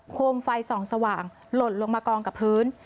มไฟส่องสว่างหล่นลงมากองกับพื้น